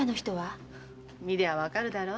見りゃわかるだろ。